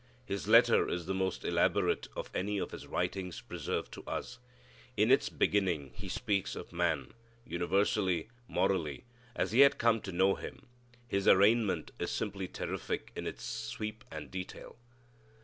His letter is the most elaborate of any of his writings preserved to us. In its beginning he speaks of man, universally, morally, as he had come to know him. His arraignment is simply terrific in its sweep and detail.